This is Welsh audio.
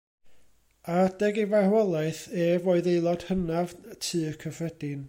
Ar adeg ei farwolaeth ef oedd aelod hynaf Tŷ'r Cyffredin.